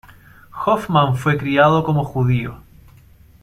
Hoffman fue criado como judío.